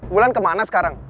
wulan kemana sekarang